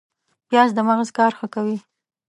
پیاز د مغز کار ښه کوي